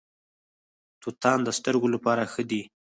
توتان د سترګو لپاره ښه دي.